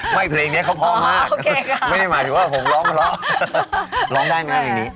ไม่เพลงนี้เขาพอมากไม่ได้หมายถึงว่าผมร้องมาเล่าร้องได้ไหมครับเพลงนี้